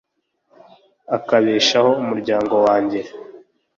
ikabeshaho umuryango wanjye